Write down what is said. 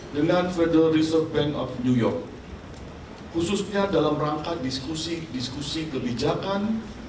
dengan federal reserve bank of new york khususnya dalam rangka diskusi diskusi kebijakan